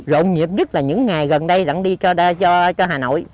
rộng nhiệm nhất là những ngày gần đây đã đi cho hà nội